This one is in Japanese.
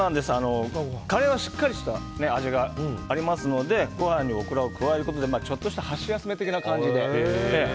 カレーはしっかりした味がありますのでごはんにミョウガを加えることで箸休め的な感じで。